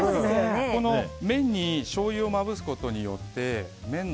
麺にしょうゆをまぶすことによって、麺に